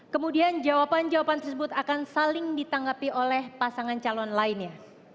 kemudian jawaban jawaban tersebut akan saling ditanggapi oleh pasangan calon lainnya